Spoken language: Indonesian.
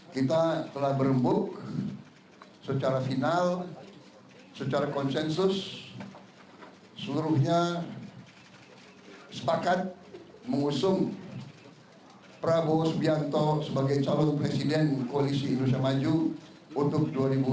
kita telah berembuk secara final secara konsensus seluruhnya sepakat mengusung prabowo subianto sebagai calon presiden koalisi indonesia maju untuk dua ribu dua puluh empat dua ribu dua puluh sembilan